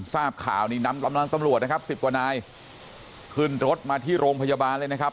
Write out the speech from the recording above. ทราบข่าวนี่นำกำลังตำรวจนะครับสิบกว่านายขึ้นรถมาที่โรงพยาบาลเลยนะครับ